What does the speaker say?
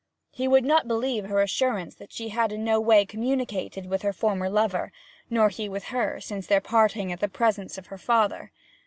He would not believe her assurance that she had in no way communicated with her former lover, nor he with her, since their parting in the presence of her father.